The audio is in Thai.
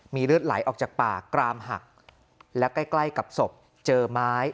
มีเลือดไหลออกจากปากกรามหักและใกล้ใกล้กับศพเจอไม้